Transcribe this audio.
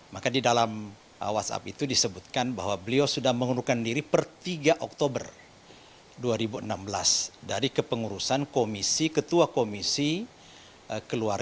maka di dalam whatsapp itu disebutkan bahwa beliau sudah mengundurkan diri per tiga oktober dua ribu enam belas dari kepengurusan komisi ketua komisi